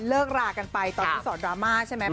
เลิกรากันไปตอนที่สอนดราม่าใช่ไหม